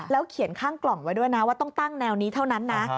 เขียนข้างกล่องไว้ด้วยนะว่าต้องตั้งแนวนี้เท่านั้นนะ